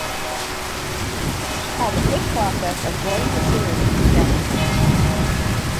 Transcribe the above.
She called the quick process of joining the series "insane".